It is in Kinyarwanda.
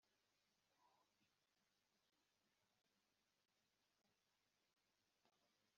y’amabati arindwi. Aho batangiriye guhiga, babashije kuyivugurura,